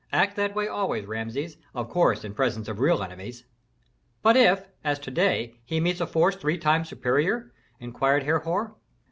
Act that way always, Rameses, of course in presence of real enemies." "But if, as to day, he meets a force three times superior?" inquired Herhor.